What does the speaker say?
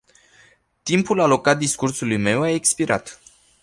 Timpul alocat discursului meu a expirat.